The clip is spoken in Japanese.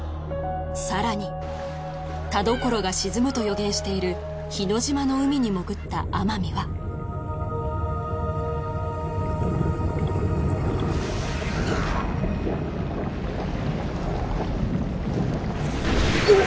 さらに田所が沈むと予言している日之島の海に潜った天海はうっ！